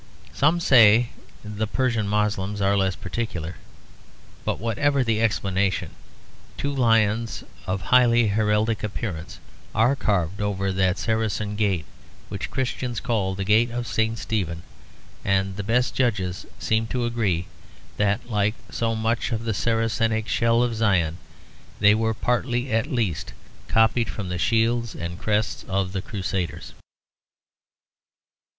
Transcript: Some say the Persian Moslems are less particular; but whatever the explanation, two lions of highly heraldic appearance are carved over that Saracen gate which Christians call the gate of St. Stephen; and the best judges seem to agree that, like so much of the Saracenic shell of Zion, they were partly at least copied from the shields and crests of the Crusaders.